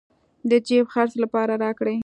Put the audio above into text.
د جېب خرڅ لپاره راكړې.